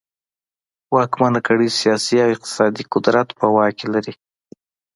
واکمنه کړۍ سیاسي او اقتصادي قدرت په واک کې لري.